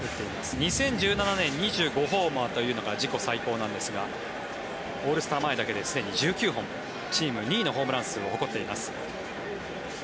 ２０１７年２５ホーマーというのが自己最高なんですがオールスター前だけですでに１９本チーム２位のホームラン数を誇っています。